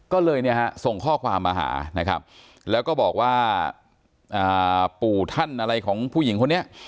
ก็เลยเนี่ยฮะส่งข้อความมาหานะครับแล้วก็บอกว่าปู่ท่านอะไรของผู้หญิงคนนี้